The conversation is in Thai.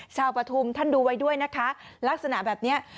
ปฐุมท่านดูไว้ด้วยนะคะลักษณะแบบนี้